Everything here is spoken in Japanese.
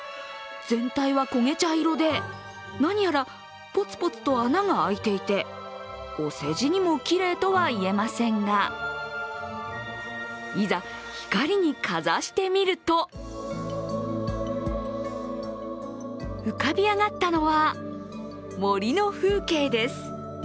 全体は焦げ茶色で何やらポツポツと穴が開いていてお世辞にもきれいとは言えませんが、いざ、光にかざしてみると浮かび上がったのは森の風景です。